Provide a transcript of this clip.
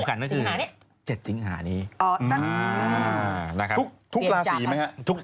หลักสำคัญก็คือ๗สิงหานี่อ๋อตั้งนี้อ๋อนะครับ